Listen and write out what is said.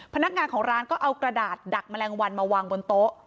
พนักงานของร้านก็เอากระดาษดักแมลงวันมาวางบนโต๊ะ